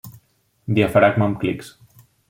Diafragma amb clics.